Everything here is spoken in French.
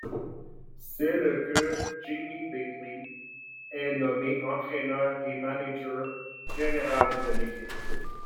C'est le que Jamie Batley est nommé entraîneur et manager général de l'équipe.